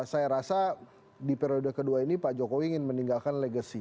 saya rasa di periode kedua ini pak jokowi ingin meninggalkan legacy